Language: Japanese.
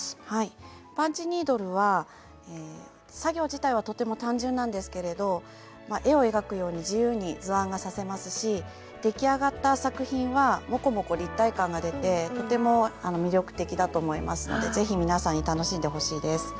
パンチニードルは作業自体はとても単純なんですけれど絵を描くように自由に図案が刺せますし出来上がった作品はモコモコ立体感が出てとても魅力的だと思いますので是非皆さんに楽しんでほしいです。